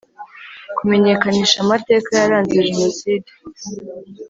Kumenyekanisha amateka yaranze jenoside